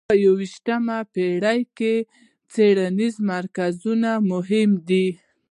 په یویشتمه پېړۍ کې څېړنیز مرکزونه مهم دي.